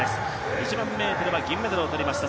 １００００ｍは銀メダルをとりました。